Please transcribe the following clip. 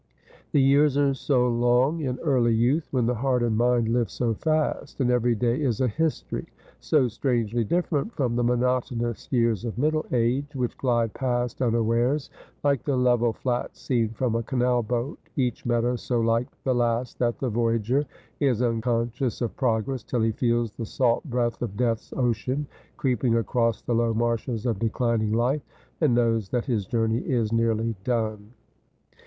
The years are so long in early youth, when the heart and mind live so fast, and every day is a history : so strangely different from the monotonous years of middle age, which glide past unawares, like the level flats seen from a canal boat, each meadow so like the last that the voyager is unconscious of progress, till he feels the salt breath of Death's ocean creeping across the low marshes of declining life, and knows that his journey is nearly done.